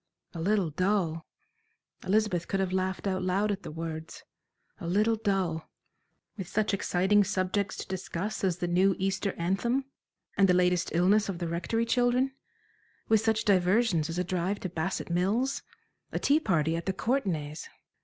A little dull! Elizabeth could have laughed out loud at the words. A little dull with such exciting subjects to discuss as the new Easter anthem, and the latest illness of the Rectory children; with such diversions as a drive to Bassett Mills, a tea party at the Courtenays!